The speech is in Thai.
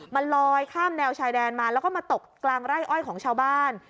มันลอยข้ามแนวชายแดนมาแล้วก็มาตกกลางไร่อ้อยของชาวบ้าน